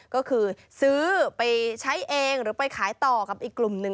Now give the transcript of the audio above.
ก็คือซื้อไปใช้เองหรือไปขายต่อกับอีกกลุ่มหนึ่ง